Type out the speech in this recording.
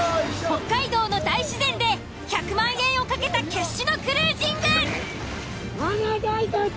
北海道の大自然で１００万円を懸けた決死のクルージング！